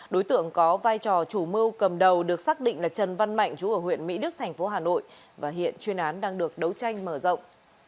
đối tượng có vai trò chủ mưu cầm đầu được xác định là trần văn mạnh chú ở huyện mỹ đức thành phố hà nội và hiện chuyên án đang được đấu tranh mở rộng